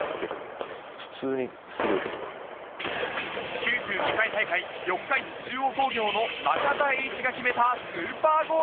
９２回大会、四日市中央工業の中田永一が決めたスーパーゴール。